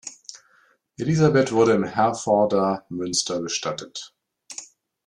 Elisabeth wurde im Herforder Münster bestattet.